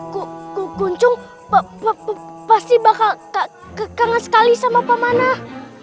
kau kuncung pasti akan kangen sekali sama pak manah